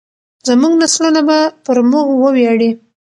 زموږ نسلونه به پر موږ وویاړي.